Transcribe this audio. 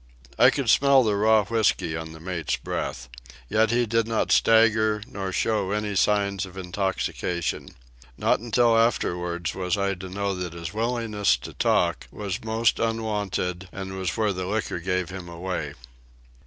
I could smell the raw whiskey on the mate's breath. Yet he did not stagger nor show any signs of intoxication. Not until afterward was I to know that his willingness to talk was most unwonted and was where the liquor gave him away.